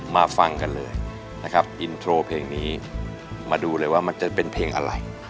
มาฟังกันเลยนะครับอินโทรเพลงนี้มาดูเลยว่ามันจะเป็นเพลงอะไร